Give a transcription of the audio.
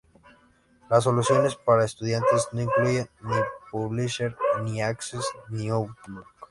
Las soluciones para estudiantes no incluyen ni Publisher, ni Access, ni Outlook.